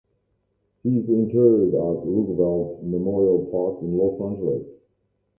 He is interred at Roosevelt Memorial Park in Los Angeles.